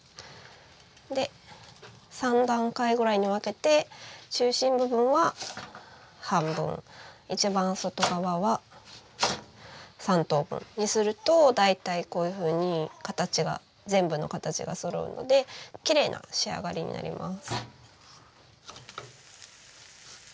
で３段階ぐらいに分けて中心部分は半分一番外側は３等分にすると大体こういうふうに形が全部の形がそろうのできれいな仕上がりになります。